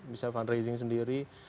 bisa fundraising sendiri